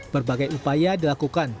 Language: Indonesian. berbagai upaya dilakukan